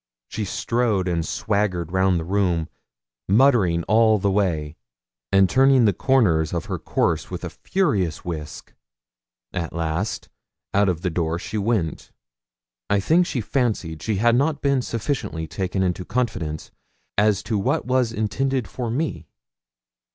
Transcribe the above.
She strode and swaggered round the room, muttering all the way, and turning the corners of her course with a furious whisk. At last, out of the door she went. I think she fancied she had not been sufficiently taken into confidence as to what was intended for me.